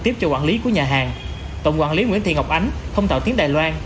tiếp cho quản lý của nhà hàng tổng quản lý nguyễn thị ngọc ánh không tạo tiếng đài loan